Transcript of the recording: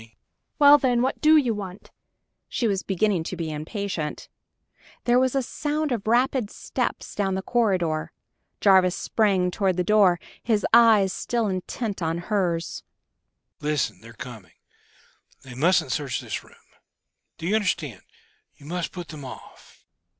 "I'm not a burglar. I don't want your money." "Well, then, what do you want?" She was beginning to be impatient. There was a sound of rapid steps down the corridor. Jarvis sprang toward the door, his eyes still intent on hers. "Listen ... they're coming!... They mustn't search this room do you understand you must put them off."